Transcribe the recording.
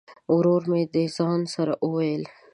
ورور مي د ځان سره وویل !